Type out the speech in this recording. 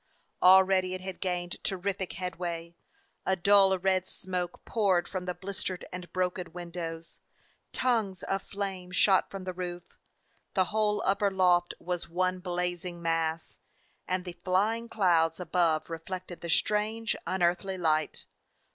Already it had gained terrific headway; a dull red smoke poured from the blistered and broken windows; tongues of flame shot from the roof ; the whole upper loft was one blazing mass; and the flying clouds above reflected the strange, un earthly light.